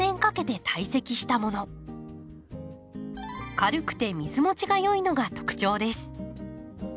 軽くて水もちが良いのが特徴です。